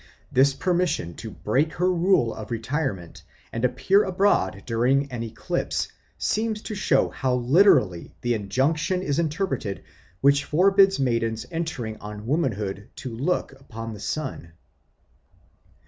This permission to break her rule of retirement and appear abroad during an eclipse seems to show how literally the injunction is interpreted which forbids maidens entering on womanhood to look upon the sun.